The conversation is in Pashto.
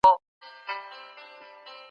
ليکوالانو د خلګو د ويښولو هڅه وکړه.